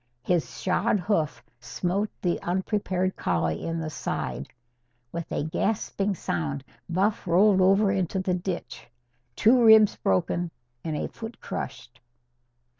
His shod hoof smote the unprepared collie in the side. With a gasping sound, Buff rolled over into the ditch, two ribs broken and a foot crushed.